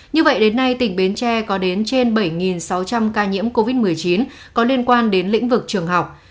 như vậy đến nay tỉnh bến tre có đến trên bảy sáu trăm linh ca nhiễm covid một mươi chín có liên quan đến lĩnh vực trường học